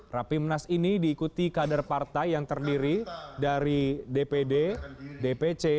rapimnas ini diikuti kader partai yang terdiri dari dpd dpc